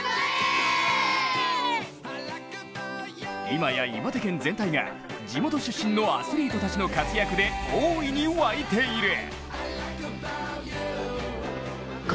今や岩手県全体が地元出身のアスリートたちの活躍で大いに沸いている。